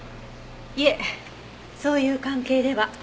いえそういう関係では。